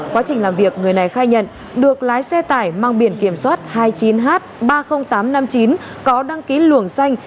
quá trình làm việc người này khai nhận được lái xe tải mang biển kiểm soát hai mươi chín h ba mươi nghìn tám trăm năm mươi chín có đăng ký luồng xanh